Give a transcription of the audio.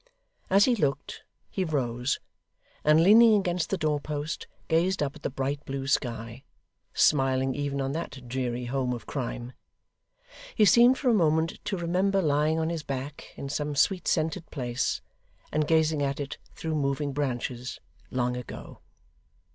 As he looked, he rose, and leaning against the door post, gazed up at the bright blue sky, smiling even on that dreary home of crime. He seemed, for a moment, to remember lying on his back in some sweet scented place, and gazing at it through moving branches, long ago.